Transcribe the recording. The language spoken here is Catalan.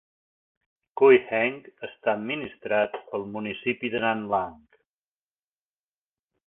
Cuiheng està administrat pel municipi de Nanlang.